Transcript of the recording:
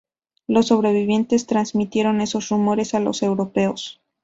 Los sobrevivientes transmitieron esos rumores a los europeos.